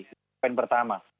itu poin pertama